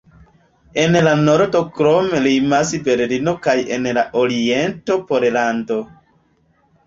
En la nordo krome limas Berlino kaj en la oriento Pollando.